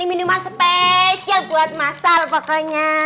ini minuman spesial buat masa loh pokoknya